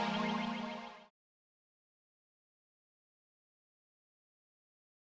lebih keren nih kan